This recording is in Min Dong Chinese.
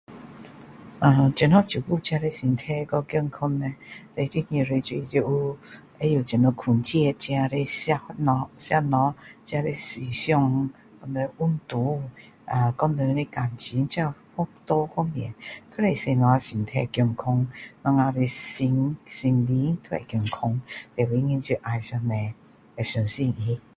呃怎樣照顧自己的身體跟健康叻最重要就是就知道怎樣控制自己的吃東西自己的思想跟運動跟人的感情這多方面都是使我們的身體健康我們的心心靈都會健康最重要就是爱上帝會相信他